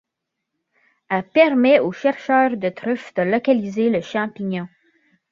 Elle permet au chercheur de truffe de localiser le champignon.